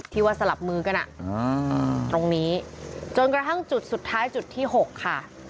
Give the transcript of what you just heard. ที่ว่าสลับมือกันตรงนี้จนกระทั่งจุดสุดท้ายจุดที่๖ค่ะ